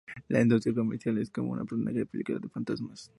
La industria musical es como un personaje de película de fantasmas